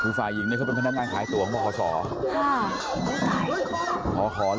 คือสายหญิงเนี่ยเค้าเป็นพนักงานขายตัวของบริษัทธิ์ศร้อมค่ะไม่ไกล